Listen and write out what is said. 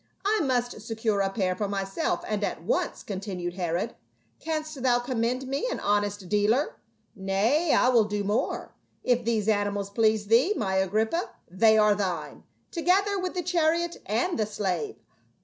" I must secure a pair for myself, and at once," continued Herod. "Canst thou commend me an honest dealer?" " Nay, I will do more ; if these animals please thee, my Agrippa, they are thine, together with the chariot and the slave."